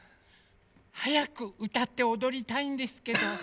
はやくうたっておどりたいんですけど。